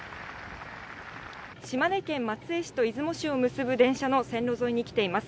島根県松江市と出雲市を結ぶ電車の線路沿いに来ています。